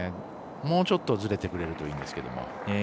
もうちょっとずれてくれるといいんですけど。